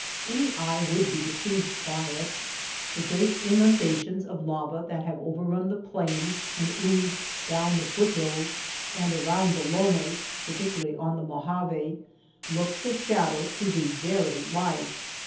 Any eye would be deceived by it. The great inundations of lava that have overrun the plains and oozed down the foot hills and around the lomas (par ticularly on the Mojave) look the shadow to the very life.